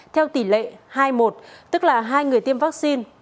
theo tỷ lệ hai một tức là hai người tiêm vắc xin